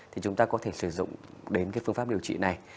thì chúng ta có thể sử dụng đến cái phương pháp điều trị này